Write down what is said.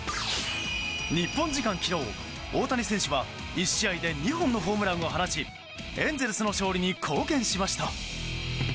日本時間昨日、大谷選手は１試合で２本のホームランを放ちエンゼルスの勝利に貢献しました。